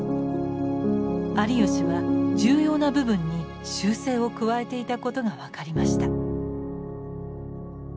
有吉は重要な部分に修正を加えていたことが分かりました。